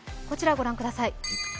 こちら御覧ください。